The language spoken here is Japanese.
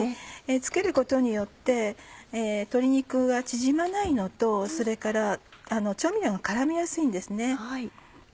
付けることによって鶏肉が縮まないのとそれから調味料が絡みやすいんですね。